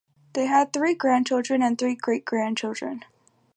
They had three grandchildren and three great-grandchildren.